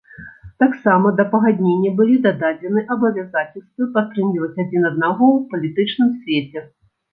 Таксама да пагаднення былі дададзены абавязацельствы падтрымліваць адзін аднаго ў палітычным свеце.